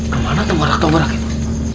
kemana tempat rakam rakam itu